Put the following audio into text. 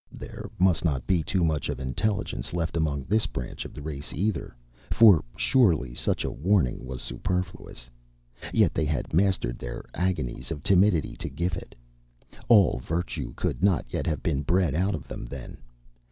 There must not be too much of intelligence left among this branch of the race, either, for surely such a warning was superfluous. Yet they had mastered their agonies of timidity to give it. All virtue could not yet have been bred out of them, then.